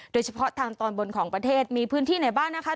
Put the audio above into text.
โดยเฉพาะทางตอนบนของประเทศมีพื้นที่ไหนบ้างนะคะ